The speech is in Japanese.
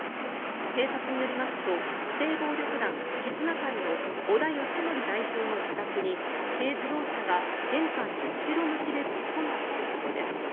警察によりますと指定暴力団絆会の織田絆誠代表の自宅に軽自動車が玄関に後ろ向きで突っ込んだということです。